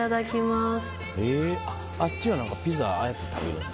あっちはピザああやって食べるんだ。